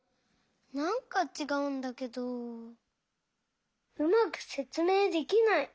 なんかちがうんだけどうまくせつめいできない。